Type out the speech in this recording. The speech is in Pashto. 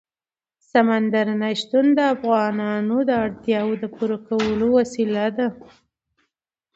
سمندر نه شتون د افغانانو د اړتیاوو د پوره کولو وسیله ده.